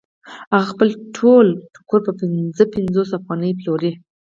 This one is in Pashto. هغه خپل ټول ټوکر په پنځه پنځوس افغانیو پلوري